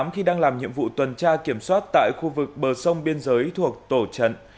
khi đang làm nhiệm vụ tuần tra kiểm soát tại khu vực bờ sông biên giới thuộc tổ trận